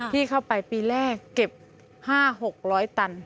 ที่เข้าไปปีแรกเก็บ๕๖๐๐ตัน